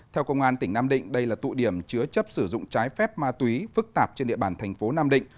theo công an tỉnh nam định đây là tụ điểm chứa chấp sử dụng trái phép ma túy phức tạp trên địa bàn thành phố nam định